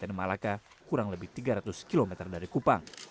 ten malaka kurang lebih tiga ratus km dari kupang